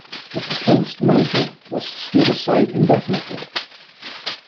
The proposed merger was stood aside indefinitely.